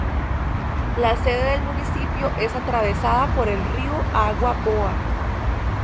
La sede del municipio es atravesada por el río Agua Boa.